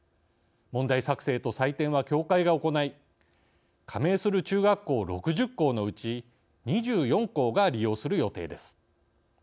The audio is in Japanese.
問題作成と採点は協会が行い加盟する中学校６０校のうち２４校が利用する予定です。